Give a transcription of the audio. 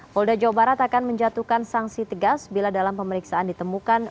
polda jawa barat akan menjatuhkan sanksi tegas bila dalam pemeriksaan ditemukan